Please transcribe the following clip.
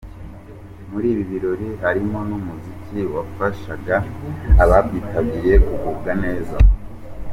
Muri ibi birori harimo n'umuziki wafashaga ababyitabiriye kugubwa neza.